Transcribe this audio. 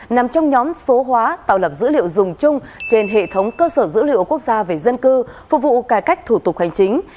nằm trong nhóm số hóa tạo lập dữ liệu dùng chung trên hệ thống cơ sở dữ liệu quốc gia về dân cư phục vụ cải cách thủ tục hành chính